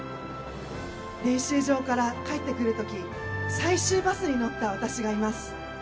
練習場から帰ってくる時最終バスに乗った私がいます。